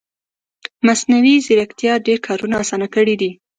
مصنوعي ځیرکتیا ډېر کارونه اسانه کړي دي